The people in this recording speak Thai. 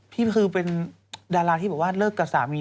พี่คือเป็นดาราที่บอกว่าเลิกกับสามี